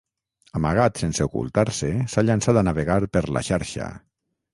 Amagat sense ocultar-se s'ha llançat a navegar per la xarxa.